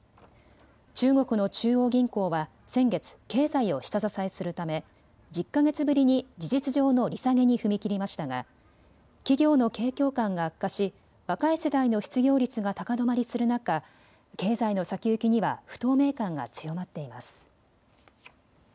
中国の中央銀行は先月、経済を下支えするため１０か月ぶりに事実上の利下げに踏み切りましたが企業の景況感が悪化し若い世代の失業率が高止まりする中、経済の先行きには不透明感が強まっています。